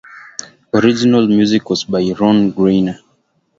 Original music was by Ron Grainer.